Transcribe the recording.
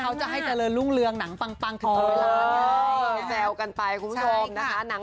เขาจะให้เจริญเรืองหนังปังถึงตอนตอนข้าง